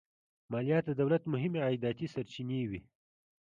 مالیات د دولت مهمې عایداتي سرچینې وې.